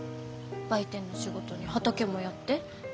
売店の仕事に畑もやって内職も。